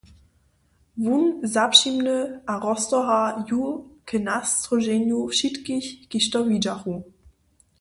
Wón zapřimny a roztorha ju k nastróženju wšitkich, kiž to widźachu.